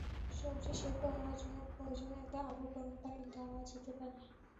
সবজি সেদ্ধ হওয়ার জন্য প্রয়োজনে এতে আরও গরম পানি দেওয়া যেতে পারে।